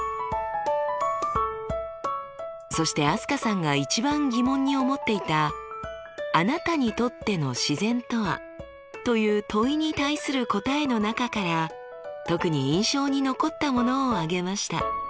そして飛鳥さんが一番疑問に思っていた「あなたにとっての自然とは？」という問いに対する答えの中から特に印象に残ったものを挙げました。